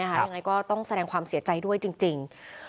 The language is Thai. ยังไงก็ต้องแสดงความเสียใจด้วยจริง